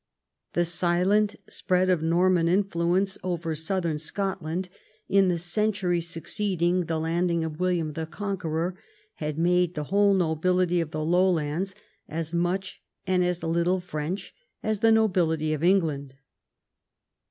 The silent sj^read of Norman influence over southern Scotland, in the century succeeding the landing of William the Conqueror, had made the whole nobility of the Lowlands as much and as little French as the nobility of England.